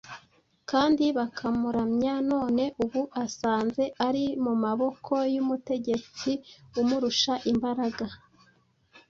kandi bakamuramya; none ubu asanze ari mu maboko y’Umutegetsi umurusha imbaraga.